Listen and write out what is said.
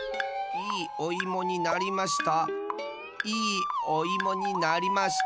いいおいもになりました。